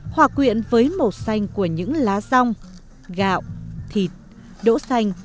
hòa quyện với màu xanh của những lá rong gạo thịt đỗ xanh